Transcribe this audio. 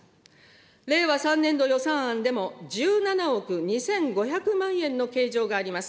令和３年度予算案でも１７億２５００万円の計上があります。